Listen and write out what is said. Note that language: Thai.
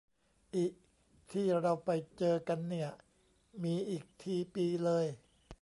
อิ ที่เราไปเจอกันเนี่ย มีอีกที ปีเลย